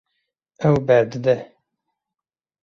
Ew berdide.